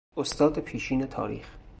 استاد پیشین تاریخ